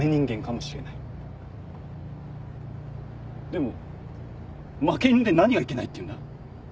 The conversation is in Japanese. でも負け犬で何がいけないっていうんだ？